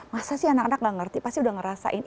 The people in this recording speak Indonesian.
masa sih anak anak tidak mengerti pasti sudah merasakan